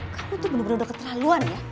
kamu tuh bener bener udah keterlaluan ya